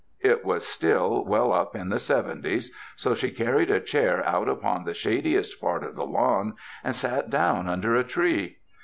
It was still well up in the seventies, so she carried a chair out upon the shadiest part of the lawn and sat down under a tree.